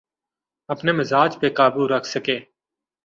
اپنے مزاج پہ قابو رکھ سکے۔